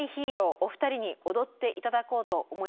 お二人に踊っていただこうと思います。